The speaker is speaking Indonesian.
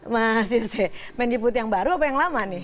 mas yose mendikbud yang baru apa yang lama nih